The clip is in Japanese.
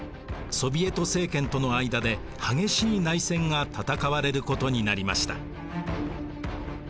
ソヴィエト政権との間で激しい内戦が戦われることになりました。